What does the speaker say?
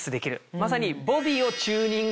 まさに。